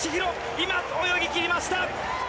今、泳ぎ切りました。